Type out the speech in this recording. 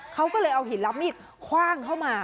เขาก็เลยเอาหินรับมีดคว่างเข้ามา